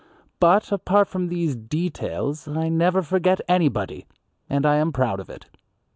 But apart from these details I never forget anybody, and I am proud of it.